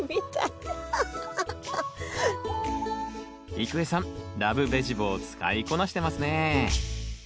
郁恵さん「らぶベジボー」使いこなしてますね。